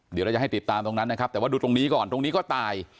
เดี๋ยวเราจะให้ติดตามตรงนั้นนะครับแต่ว่าดูตรงนี้ก่อนตรงนี้ก็ตาย